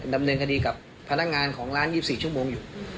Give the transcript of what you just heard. ดำเนินคดีกับพนักงานของร้าน๒๔ชั่วโมงอยู่